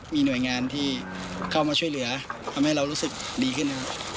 มีหน่วยงานที่เข้ามาช่วยเหลือทำให้เรารู้สึกดีขึ้นนะครับ